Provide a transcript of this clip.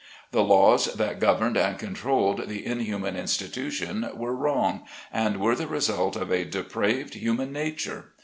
The laws that governed and controlled the inhuman institution were wrong, and were the result of a depraved human nature.